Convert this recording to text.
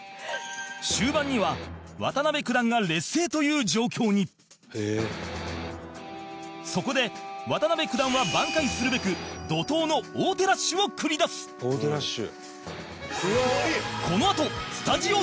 終盤には渡辺九段が劣勢という状況にそこで渡辺九段は挽回するべく怒濤の王手ラッシュを繰り出す伊達：王手ラッシュ。